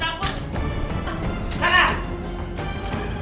dalam masa kita lagi